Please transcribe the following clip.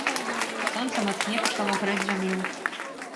Сонца мацней пачало грэць зямлю.